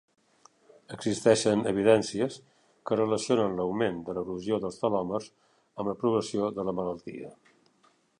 Existeixen evidències que relacionen l'augment de l'erosió dels telòmers amb la progressió de la malaltia.